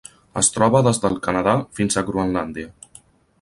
Es troba des del Canadà fins a Groenlàndia.